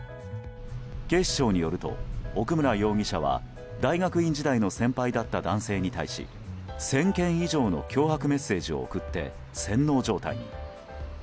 警視庁によると奥村容疑者は大学院時代の先輩だった男性に対し１０００件以上の脅迫メッセージを送って洗脳状態に。